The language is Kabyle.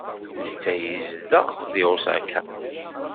Netta yezdeɣ deg Osaka.